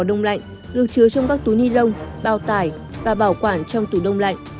được chứa trong các túi ni lông bào tải và bảo quản trong tủ đông lạnh